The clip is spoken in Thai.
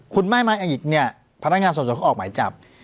คุณไม่มาอีกเนี่ยพนักงานสอบสวนเขาออกหมายจับ